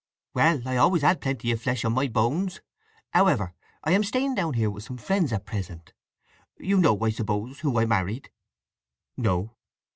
"Well, I always had plenty of flesh on my bones. However, I am staying down here with some friends at present. You know, I suppose, who I married?" "No."